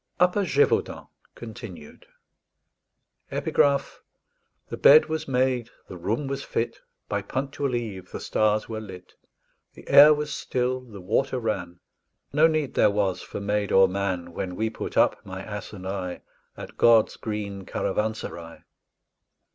UPPER GÉVAUDAN (Continued) _The bed was made, the room was fit, By punctual eve the stars were lit; The air was still, the water ran; No need there was for maid or man, When we put up, my ass and I, At God's green caravanserai.